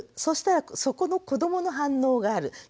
そしたらそこの子どもの反応がある。